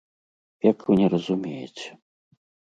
Як вы не разумееце?!